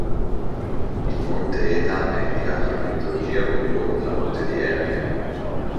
Il monte Eta è indicato nella mitologia come il luogo della morte di Eracle.